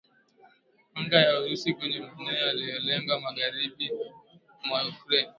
anga ya Urusi kwenye maeneo yaliyolenga magharibi mwa Ukraine